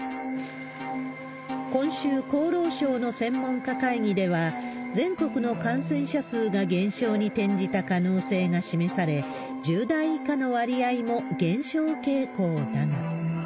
今週、厚労省の専門家会議では、全国の感染者数が減少に転じた可能性が示され、１０代以下の割合も減少傾向だが。